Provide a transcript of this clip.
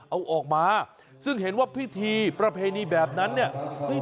เอาออกมาซึ่งเห็นว่าพิธีประเพณีแบบนั้นเนี่ย